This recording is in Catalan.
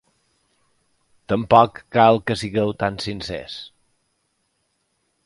Tampoc cal que sigueu tan sincers.